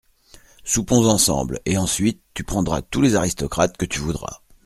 Soupons ensemble, et ensuite tu prendras tous les aristocrates que tu voudras.